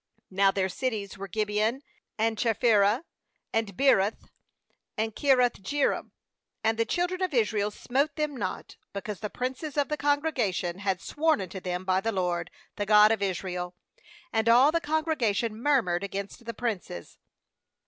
Now their cities were Gibeon. and Chephjrah, and Beeroth, ana Kiriath jearim. 18And the children of Israel smote them not, because the princes of the congregation had sworn unto them by the LOED, the God of Israel. And^all the congrega tion murmured against the princes.